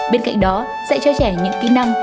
bên cạnh đó dạy cho trẻ những kỹ năng